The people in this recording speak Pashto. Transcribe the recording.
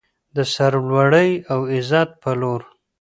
د سرلوړۍ او عزت په لور.